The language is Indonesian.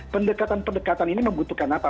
pendekatan pendekatan ini membutuhkan apa